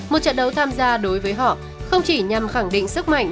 một trận đấu tham gia đối với họ không chỉ nhằm khẳng định sức mạnh